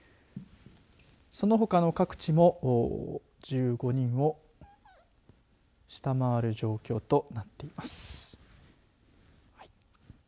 そのほかの各地も１５人を下回る状況となっています。